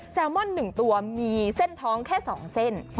แซลมอนหนึ่งตัวมีเส้นท้องแค่สองเส้น